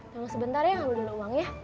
tunggu sebentar ya ngambil dulu uangnya